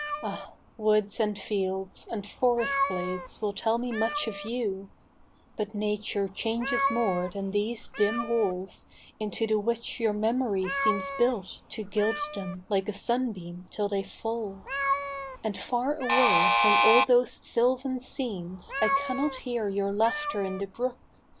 Ah ! woods and fields And forest glades will tell me much of you ; But Nature changes more than these dim walls Into the which your memory seems built To gild them like a sunbeam till they fall ; And far away from all those sylvan scenes I cannot hear your laughter in the brook.